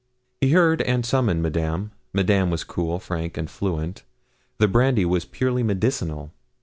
He heard and summoned Madame. Madame was cool, frank, and fluent. The brandy was purely medicinal.